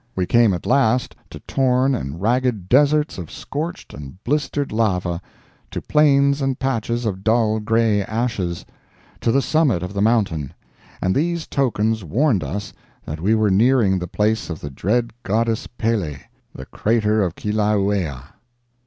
We came at last to torn and ragged deserts of scorched and blistered lava—to plains and patches of dull gray ashes—to the summit of the mountain, and these tokens warned us that we were nearing the palace of the dread goddess Pele, the crater of Kilauea.